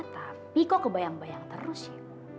tapi kok kebayang bayang terus yuk